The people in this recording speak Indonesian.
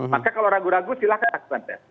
maka kalau ragu ragu silahkan lakukan tes